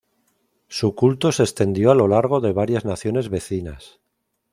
Su culto se extendió a lo largo de varias naciones vecinas.